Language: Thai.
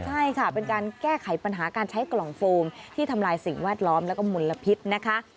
ใช่ค่ะเป็นการแก้ไขปัญหาการใช้กล่องโฟมที่ทำลายสิ่งแวดล้อมแล้วก็มลพิษนะคะ